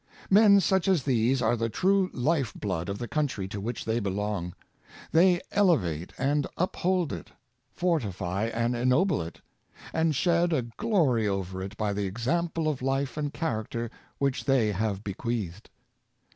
Men such as these are the true life blood of the coun try t6 which they belong. They elevate and uphold it, fortify and ennoble it, and shed a glory over it by the example of life and character which they have be queathed.